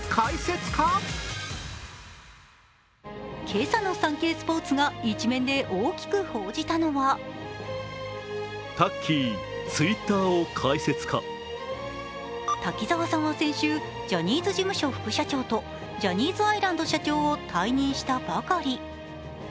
今朝の「サンケイスポーツ」が一面で大きく報じたのは滝沢さんは先週、ジャニーズ事務所副社長とジャニーズアイランド社長を退任したばかり。